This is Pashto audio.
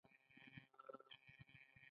د خپلو نیکونو علمي، ادبي میراثونه یې ساتل.